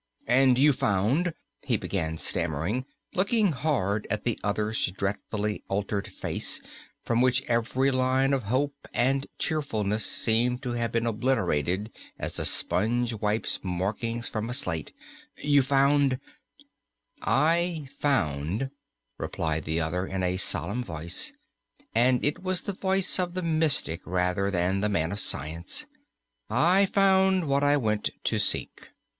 "And you found " he began stammering, looking hard at the other's dreadfully altered face, from which every line of hope and cheerfulness seemed to have been obliterated as a sponge wipes markings from a slate "you found " "I found," replied the other, in a solemn voice, and it was the voice of the mystic rather than the man of science "I found what I went to seek.